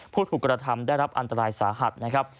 ผู้ถูกกระทำได้รับอันตรายสาหัสนะครับ